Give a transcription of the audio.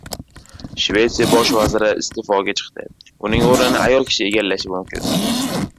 Shvetsiya bosh vaziri iste’foga chiqdi. Uning o‘rnini ayol kishi egallashi mumkin